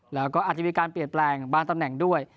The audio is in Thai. แล้วก็อาจจะมีการเปลี่ยนแปลงบางตำแหน่งด้วย